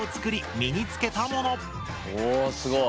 おおすごい。